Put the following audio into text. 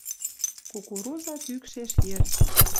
Кукуруза кӱкшеш йӹр.